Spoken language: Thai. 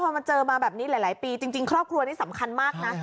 พอมาเจอมาแบบนี้หลายปีจริงครอบครัวนี้สำคัญมากนะ